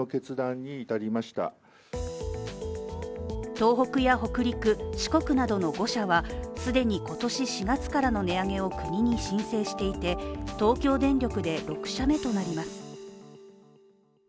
東北や北陸、四国などの５社は既に今年４月からの値上げを国に申請していて東京電力で６社目となります。